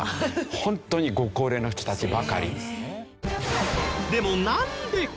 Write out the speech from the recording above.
ホントにご高齢の人たちばかり。